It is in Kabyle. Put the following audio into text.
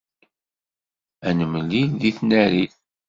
Ad nemlil deg tnarit.